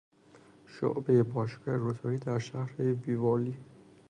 شعبهی باشگاه روتاری در شهر ویورلی